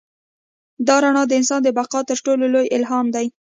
دا رڼا د انسان د بقا تر ټولو لوی الهام دی.